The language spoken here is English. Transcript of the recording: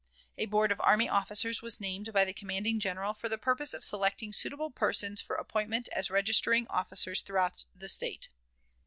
A board of army officers was named by the commanding General for the purpose of selecting suitable persons for appointment as registering officers throughout the State.